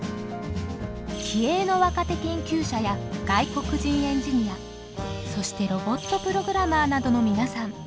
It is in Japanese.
気鋭の若手研究者や外国人エンジニアそしてロボットプログラマーなどの皆さん。